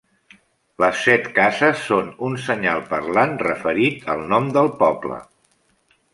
Les set cases són un senyal parlant referit al nom del poble.